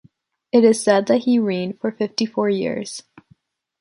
It is said that he reigned for fifty-four years.